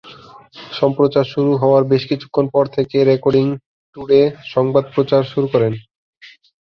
সম্প্রচার শুরু হওয়ার বেশ কিছুদিন পর থেকে রেডিও টুডে সংবাদ প্রচার শুরু করে।